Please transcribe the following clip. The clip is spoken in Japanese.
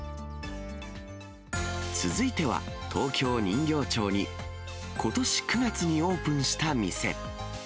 続いては、東京・人形町に、ことし９月にオープンした店。